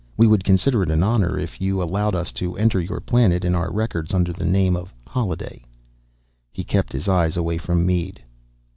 We would consider it an honor if you allowed us to enter your planet in our records under the name of Holliday." He kept his eyes away from Mead.